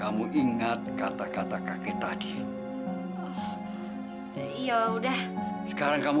aku enggak akan biarin dia senak